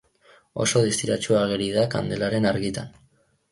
Oso distiratsu ageri da kandelaren argitan.